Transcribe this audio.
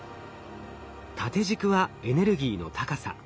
縦軸はエネルギーの高さ。